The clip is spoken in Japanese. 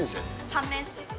３年生です。